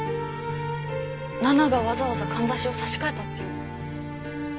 奈々がわざわざかんざしを挿し替えたっていうの？